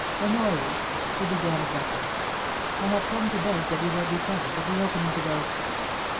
* Honoria !* he began abruptly, * I have come to beg that you will be present at the Opening to day.